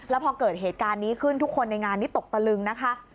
แล้วพอเกิดเหตุการณ์นี้ขึ้นทุกคนในงานนี้ตกตะลึงนะคะ